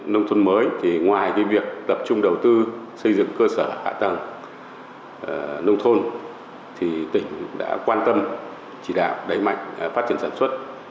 nông thôn mới thì ngoài việc tập trung đầu tư xây dựng cơ sở hạ tầng nông thôn thì tỉnh đã quan tâm chỉ đạo đẩy mạnh phát triển sản xuất